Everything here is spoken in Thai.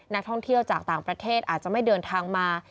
นักท่องเที่ยวจากต่างประเทศอาจจะไม่เดินทางมา